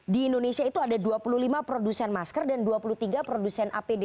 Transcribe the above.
di indonesia itu ada dua puluh lima produsen masker dan dua puluh tiga produsen apd